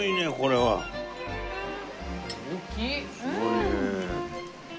はい。